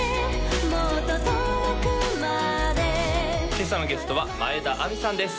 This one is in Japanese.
今朝のゲストは前田亜美さんです